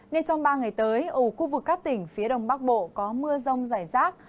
nên trong ba ngày tới ở khu vực các tỉnh phía đông bắc bộ có mưa rông rải rác